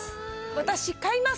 私買います！